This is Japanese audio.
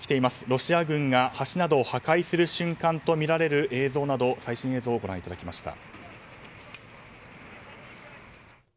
ロシア軍が橋などを破壊する瞬間とみられる映像など最新映像をご覧いただきました。